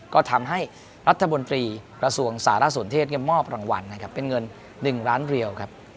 ก็ทำให้รัฐบนตรีกระทรวงสารสนเทศมอบรางวัลนะครับเป็นเงิน๑ล้านเรียวครับ